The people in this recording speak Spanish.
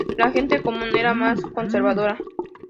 La gente común era más conservadora.